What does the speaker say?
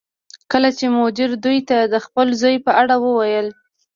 کله چې مدیر دوی ته د خپل زوی په اړه وویل